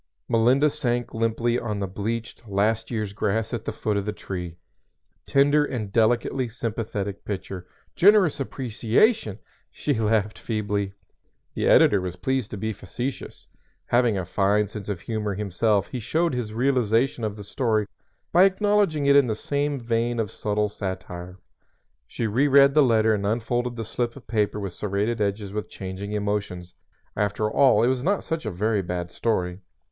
"_ Melinda sank limply on the bleached, last year's grass at the foot of the tree. "Tender and delicately sympathetic picture" "Generous appreciation!" She laughed feebly. The editor was pleased to be facetious. Having a fine sense of humor himself he showed his realization of the story by acknowledging it in the same vein of subtle satire. She reread the letter and unfolded the slip of paper with serrated edges with changing emotions. After all it was not such a very bad story.